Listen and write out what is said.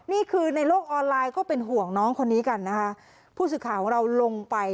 นี่คือในโลกออนไลน์ก็เป็นห่วงน้องคนนี้กันนะคะผู้สื่อข่าวของเราลงไป